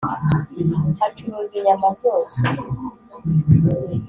Acuruza inyama zose